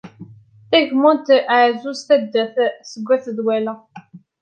Tagmunt azuz taddart seg At Dwala.